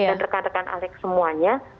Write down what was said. dan rekan rekan alex semuanya